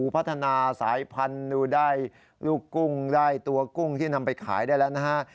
พัฒนาสายพันธุ์ดูได้ลูกกุ้งได้ตัวกุ้งที่นำไปขายได้แล้วนะฮะ